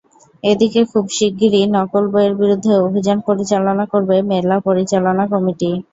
এদিকে খুব শিগগিরই নকল বইয়ের বিরুদ্ধে অভিযান পরিচালনা করবে মেলা পরিচালনা কমিটি।